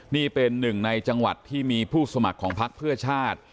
นี่เป็นหนึ่งในจังหวัดที่มีผู้สมัครของพักเพื่อชาติ